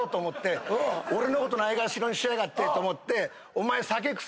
俺のことないがしろにしやがってと思って。